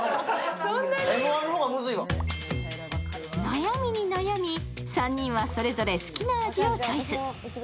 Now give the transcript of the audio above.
悩みに悩み、３人はそれぞれ好きな味をチョイス。